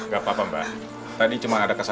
saya sudah berada di rumah mbak ayesa